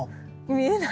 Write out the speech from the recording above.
見えない？